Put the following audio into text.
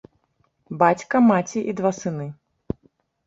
Бацька, маці і два сыны.